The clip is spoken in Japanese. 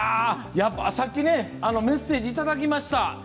さっきメッセージいただきました。